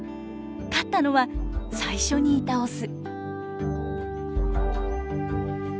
勝ったのは最初にいたオス。